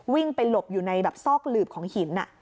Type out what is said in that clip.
วิ่งไปหลบอยู่ในแบบซอกหลืบของหิน